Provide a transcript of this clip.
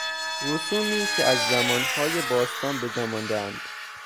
رسومی که از زمانهای باستان به جاماندهاند